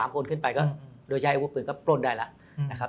๓คนขึ้นไปก็โดยใจวัวปืนก็ปล้นได้แล้ว